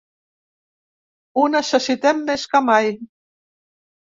Ho necessitem més que mai.